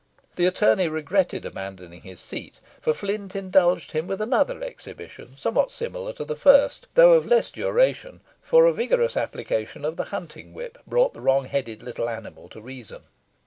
The attorney regretted abandoning his seat; for Flint indulged him with another exhibition somewhat similar to the first, though of less duration, for a vigorous application of the hunting whip brought the wrong headed little animal to reason.